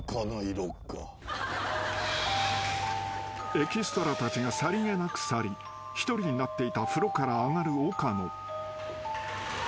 ［エキストラたちがさりげなく去り一人になっていた風呂から上がる岡野］